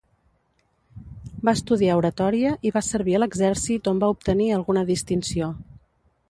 Va estudiar oratòria i va servir a l'exèrcit on va obtenir alguna distinció.